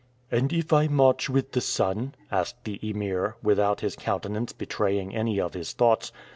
"And if I march with the sun?" asked the Emir, without his countenance betraying any of his thoughts.